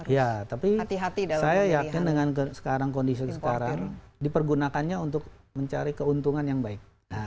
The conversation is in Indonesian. ya tapi saya yakin dengan sekarang kondisi sekarang dipergunakannya untuk mencari keuntungan yang baik